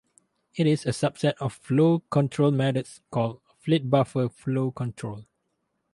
It is a subset of flow control methods called Flit-Buffer Flow Control.